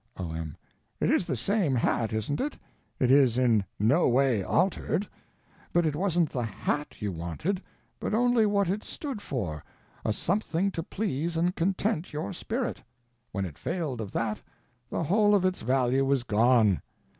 O.M. It is the same hat, isn't it? It is in no way altered. But it wasn't the _hat _you wanted, but only what it stood for—a something to please and content your spirit. When it failed of that, the whole of its value was gone.